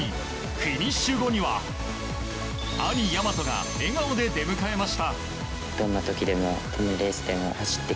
フィニッシュ後には兄・大和が笑顔で出迎えました。